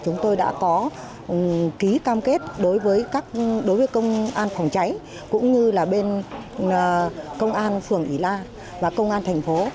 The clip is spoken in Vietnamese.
chúng tôi đã có ký cam kết đối với công an phòng cháy cũng như là bên công an phường ý la và công an thành phố